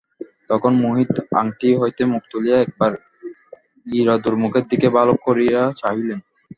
তখন মোহিত আংটি হইতে মুখ তুলিয়া একবার ক্ষীরোদার মুখের দিকে ভালো করিয়া চাহিলেন।